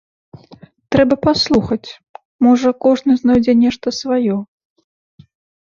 Трэба паслухаць, можа, кожны знойдзе нешта сваё.